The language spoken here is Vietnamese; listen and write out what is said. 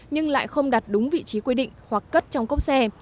nhưng lại không đặt đúng vị trí quy định hoặc cất trong cốc xe